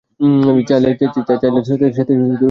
চাইলে সাথ্যীয়ার সাথে কথা বলতে পারো।